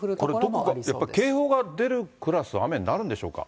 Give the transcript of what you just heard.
やっぱり警報が出るクラス、雨になるんでしょうか。